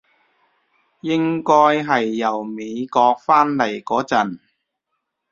應該係由美國返嚟嗰陣